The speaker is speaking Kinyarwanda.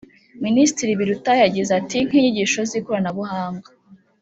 Minisitiri Biruta yaragize ati “Nk’inyigisho z’ikoranabuhanga